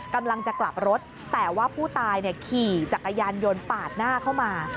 กำลังจะกลับรถแต่ว่าผู้ตายขี่จักรยานยนต์ปาดหน้าเข้ามา